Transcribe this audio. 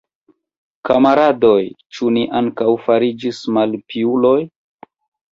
Kamaradoj, ĉu ni ankaŭ fariĝis malpiuloj?